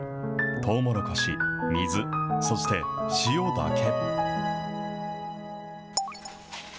とうもろこし、水、そして塩だけ。